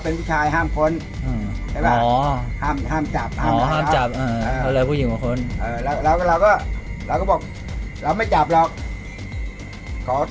เพราะว่าไอโบเพื่อนกันเค้าไม่ได้มารับผิดชอบอะไรเลย